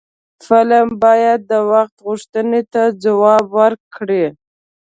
فلم باید د وخت غوښتنو ته ځواب ورکړي